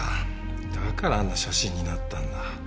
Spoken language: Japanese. だからあんな写真になったんだ。